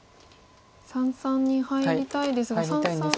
三々に入りたいですが三々まで。